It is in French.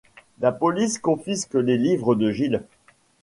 La police confisque les livres de Giles.